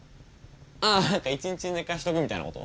ああ何か一日寝かしとくみたいなこと？